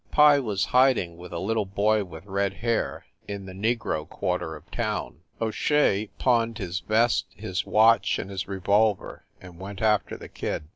Pye was hiding with a little boy with red hair, in the negro quarter of town. O Shea pawned his vest, his watch and his revolv er, and went after the kid.